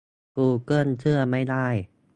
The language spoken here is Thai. กูเกิลเชื่อไม่ได้